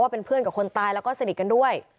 เป็นเพื่อนยังสนิทกับคนตาย